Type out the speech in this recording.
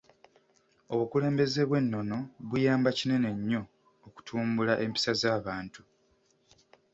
Obukulembeze bw'ennono buyamba kinene nnyo okutumbula empisa z'abantu.